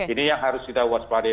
ini yang harus kita waspadai